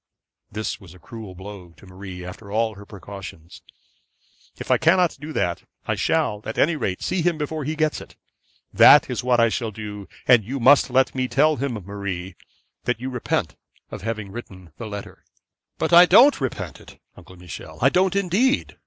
This was a cruel blow to Marie after all her precautions. 'If I cannot do that, I shall at any rate see him before he gets it. That is what I shall do; and you must let me tell him, Marie, that you repent having written the letter.' 'But I don't repent it, Uncle Michel; I don't, indeed.